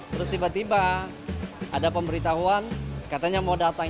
terus tiba tiba ada pemberitahuan katanya mau datang